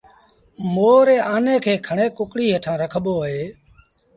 مور ري آني کي کڻي ڪڪڙيٚ هيٺآن رکبو اهي